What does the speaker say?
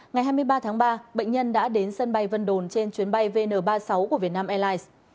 ngày hai mươi ba tháng ba bệnh nhân đã đến sân bay vân đồn trên chuyến bay vn ba mươi sáu của vietnam airlines